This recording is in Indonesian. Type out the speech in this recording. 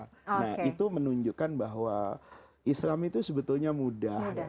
nah itu menunjukkan bahwa islam itu sebetulnya mudah